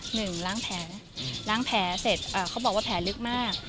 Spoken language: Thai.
ล้างแผลล้างแผลเสร็จเขาบอกว่าแผลลึกมาก